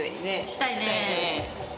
したいね。